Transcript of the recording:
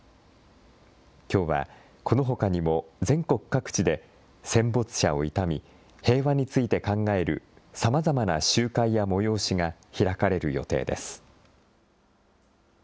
きょうは、このほかにも全国各地で戦没者を悼み、平和について考えるさまざまな集会や催しが開かれる予定です。